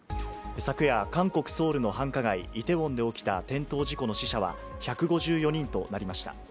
昨夜、韓国・ソウルの繁華街、イテウォンで起きた転倒事故の死者は１５４人となりました。